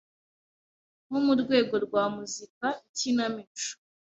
nko mu rwego rwa muzika, ikinamico